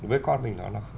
với con mình nó